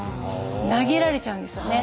投げられちゃうんですよね。